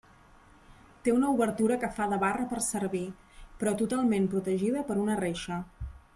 Té una obertura que fa de barra per servir, però totalment protegida per una reixa.